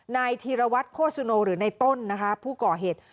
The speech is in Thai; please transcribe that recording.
นายธีรวัตรโฆษโนหรือในต้นนะคะผู้ก่อเหตุ